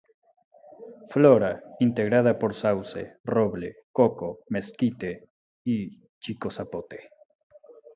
Flora: integrada por sauce, roble, coco, mezquite y chicozapote.